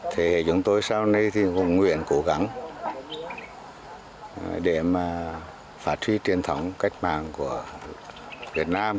thế hệ chúng tôi sau này thì cũng nguyện cố gắng để mà phát triển truyền thống cách mạng của việt nam